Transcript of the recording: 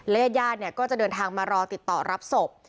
ญาติญาติก็จะเดินทางมารอติดต่อรับศพ